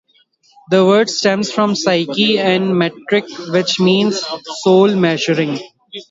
The word stems from "psyche" and "metric", which means "soul-measuring".